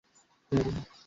রাতে ঘুম ভালো হয়েছে তো?